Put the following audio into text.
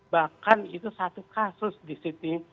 bahkan itu satu kasus di sydney